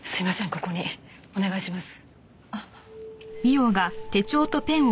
ここにお願いします。